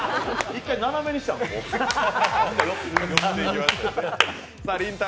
一回斜めにしたら。